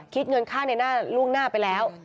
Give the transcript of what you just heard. คิดเงินค่าในลูกหน้าไปแล้ว